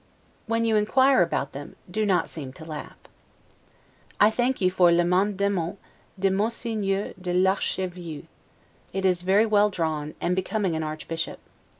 N. B: When you inquire about them, do not seem to laugh. I thank you for le Mandement de Monseigneur l'Archeveyue; it is very well drawn, and becoming an archbishop.